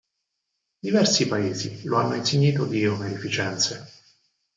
Diversi paesi lo hanno insignito di onorificenze.